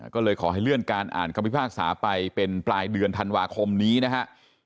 ก็เลยขอให้เลื่อนการอ่านคำพิพากษาไปเป็นปลายเดือนธันวาคมนี้นะครับ